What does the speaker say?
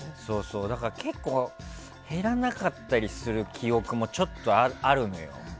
だから結構減らなかったりする記憶もちょっとあるのよ。